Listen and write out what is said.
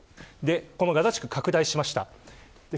ガザ地区を拡大しました。